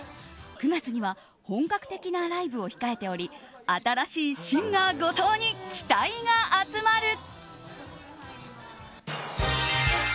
９月には本格的なライブを控えており新しいシンガー後藤に期待が集まる。